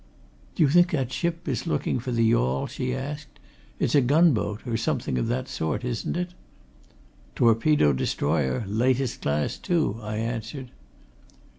"Do you think that ship is looking for the yawl?" she asked. "It's a gunboat or something of that sort, isn't it?" "Torpedo destroyer latest class, too," I answered.